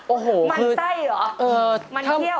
โอ้โหมันไส้เหรอมันเขี้ยว